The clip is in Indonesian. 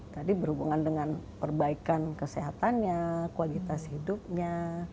tadi berhubungan dengan perbaikan kesehatannya kualitas hidupnya